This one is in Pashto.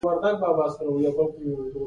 زه د مضمون نوم لیکم.